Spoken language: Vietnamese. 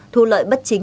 thu lợi bất chính khoảng